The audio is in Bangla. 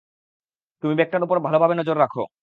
তুমি ব্যাগটার উপর ভালোভাবে নজর রেখ।